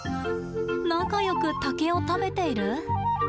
仲よく竹を食べている？